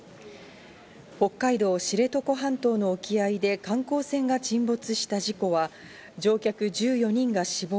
北海道知床半島の沖合で観光船が沈没した事故は乗客１４人が死亡。